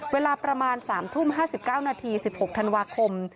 เวลาประมาณ๓ทุ่ม๕๙นาที๑๖ธันวาคม